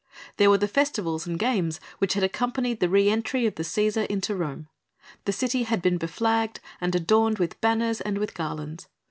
There were the festivals and games which had accompanied the re entry of the Cæsar into Rome. The city had been beflagged and adorned with banners and with garlands.